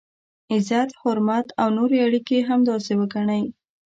عزت، حرمت او نورې اړیکي همداسې وګڼئ.